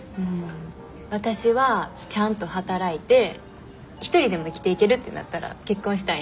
わたしはちゃんと働いて一人でも生きていけるってなったら結婚したいな。